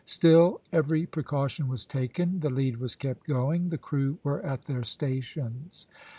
Still every precaution was taken; the lead was kept going, the crew were at their stations.